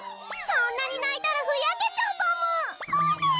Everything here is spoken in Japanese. そんなにないたらふやけちゃうパムコメ！